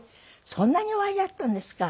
そんなにおありだったんですか。